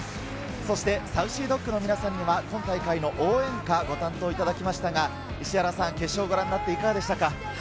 ＳａｕｃｙＤｏｇの皆さんには今大会の応援歌をご担当いただきましたが、石原さん、決勝ご覧になっていかがでしたか？